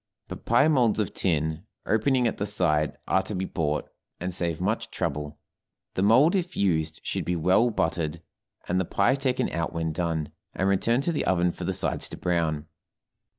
But pie molds of tin, opening at the side, are to be bought, and save much trouble; the mold, if used, should be well buttered, and the pie taken out when done, and returned to the oven for the sides to brown.